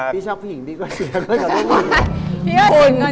พี่ชอบผู้หญิงดีกว่าเสียเงินกับผู้หญิง